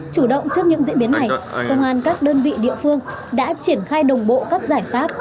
chủ động trước những diễn biến này công an các đơn vị địa phương đã triển khai đồng bộ các giải pháp